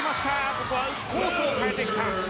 ここは打つコースを変えてきた。